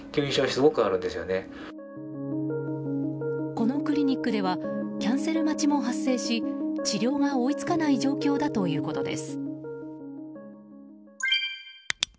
このクリニックではキャンセル待ちも発生し治療が追い付かない状況だということです。